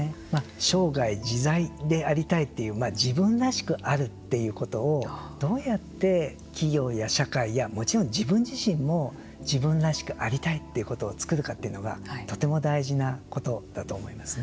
生涯、自在でありたい自分らしくあるということをどうやって企業や社会やもちろん自分自身も自分らしくありたいということを作るかというのがとても大事なことだと思いますね。